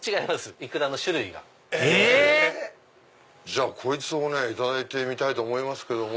⁉じゃあこいつをいただいてみたいと思います。